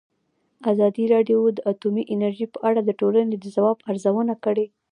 ازادي راډیو د اټومي انرژي په اړه د ټولنې د ځواب ارزونه کړې.